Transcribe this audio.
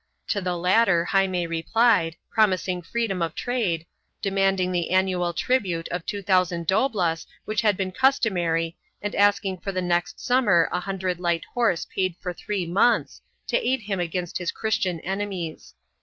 To the latter Jaime replied, promising freedom of trade, demanding the annual tribute of 2000 doblas which had been customary and asking for the next summer a hundred light horse paid for three months, to aid him against his Christian enemies.